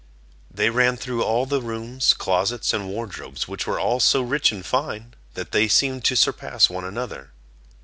They ran thro' all the rooms, closets, and wardrobes, which were all so rich and fine, that they seemed to surpass one another.